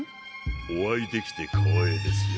お会いできて光栄ですよ